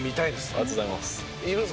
ありがとうございます。